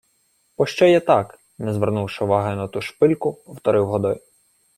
— Пощо є так? — не звернувши уваги на ту шпильку, повторив Годой.